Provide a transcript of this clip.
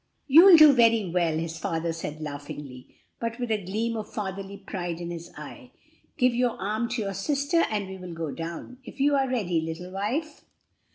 "You'll do very well," his father said laughingly, but with a gleam of fatherly pride in his eye. "Give your arm to your sister and we will go down if you are ready, little wife."